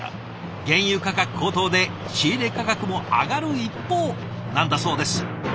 原油価格高騰で仕入れ価格も上がる一方なんだそうです。